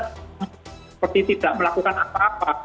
seperti tidak melakukan apa apa